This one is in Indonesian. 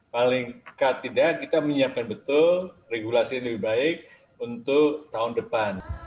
paling tidak kita menyiapkan betul regulasi yang lebih baik untuk tahun depan